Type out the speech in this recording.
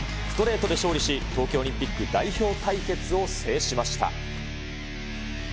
ストレートで勝利し、東京オリンピック代表対決を制しました。